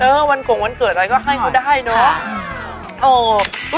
เออวันโครงวันเกิดอะไรก็ให้ก็ได้เนอะใช่